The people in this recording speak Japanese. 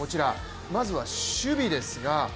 まずは守備ですが。